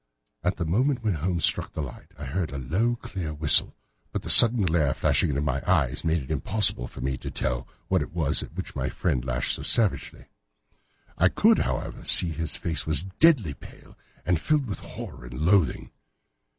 At the moment when Holmes struck the light I heard a low, clear whistle, but the sudden glare flashing into my weary eyes made it impossible for me to tell what it was at which my friend lashed so savagely. I could, however, see that his face was deadly pale and filled with horror and loathing.